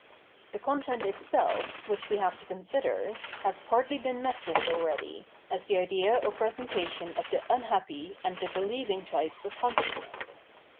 The content itself, which we have to consider, has partly been met with already, as the idea or presenta tion of the " unhappy " and the " believing " types of consciousness.